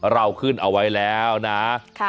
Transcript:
เราขึ้นเอาไว้แล้วนะ